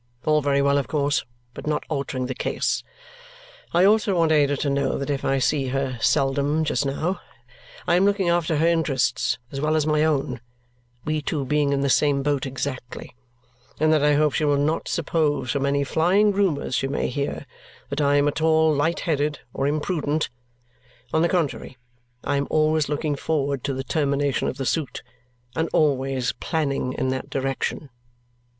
(All very well of course, but not altering the case.) I also want Ada to know that if I see her seldom just now, I am looking after her interests as well as my own we two being in the same boat exactly and that I hope she will not suppose from any flying rumours she may hear that I am at all light headed or imprudent; on the contrary, I am always looking forward to the termination of the suit, and always planning in that direction.